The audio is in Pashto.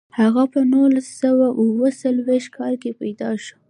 هغه په نولس سوه اووه څلویښت کال کې پیدا شو.